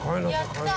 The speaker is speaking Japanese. やった！